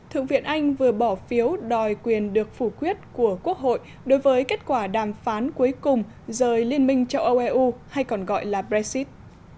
thượng viện anh vừa bỏ phiếu đòi quyền được phủ quyết của quốc hội đối với kết quả đàm phán cuối cùng rời liên minh châu âu eu hay còn gọi là brexit